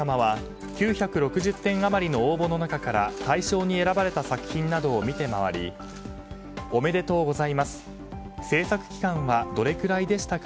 華子さまは９６０点余りの応募の中から大賞に選ばれた作品を見て回りおめでとうございます制作期間はどれぐらいでしたか？